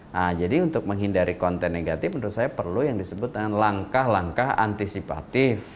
nah jadi untuk menghindari konten negatif menurut saya perlu yang disebut dengan langkah langkah antisipatif